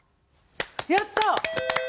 やった！